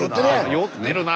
酔ってるな。